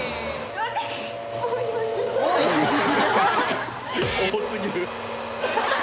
多すぎる。